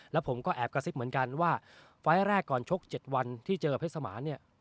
แล้วผมก็แอบกระซิบเหมือนกันว่าไฟล์แรกก่อนชก๗วันที่เจอเพชรสมานเนี่ย